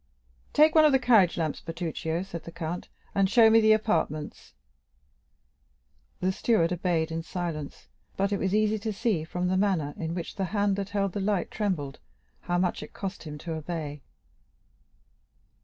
"Take one of the carriage lamps, Bertuccio," said the count, "and show me the apartments." The steward obeyed in silence, but it was easy to see, from the manner in which the hand that held the light trembled, how much it cost him to obey.